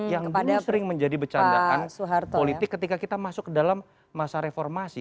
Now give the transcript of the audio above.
yang dulu sering menjadi becandaan politik ketika kita masuk ke dalam masa reformasi